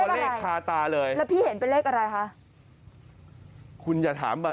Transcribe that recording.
เลขอะไรแล้วพี่เห็นเป็นเลขอะไรคะตัวเลขคาตาเลย